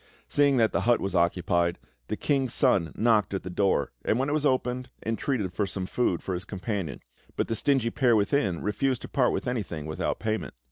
Seeing that the hut was occupied, the King's Son knocked at the door, and when it was opened, entreated for some food for his companion; but the stingy pair within refused to part with anything without payment.